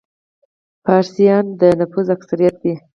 فارسیان د نفوس اکثریت دي.